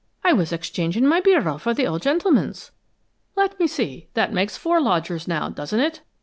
I was exchanging my bureau for the old gentleman's." "Let me see; that makes four lodgers now, doesn't it?"